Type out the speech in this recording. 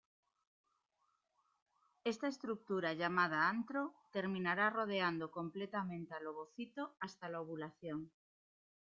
Esta estructura, llamada antro, terminará rodeando completamente al ovocito hasta la ovulación.